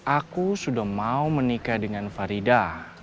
aku sudah mau menikah dengan farida